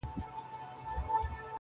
سړیتوب کي دغه شان د مردانه دی،